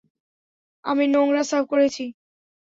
আমি নোংরা সাফ করেছি।